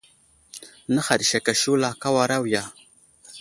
Nə̀haɗ sek a shula ,ka wara awiya.